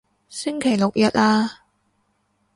星期六日啊